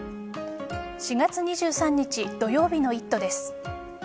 ４月２３日土曜日の「イット！」です。